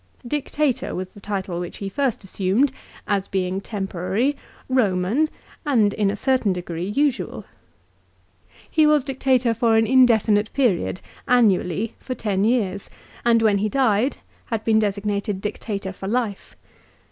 Dictator was the title which he first assumed, as being temporary, Eoman, and in a certain degree usual. He was Dictator for an in definite period, annually, for ten years, and, when he died, had been designated Dictator for life.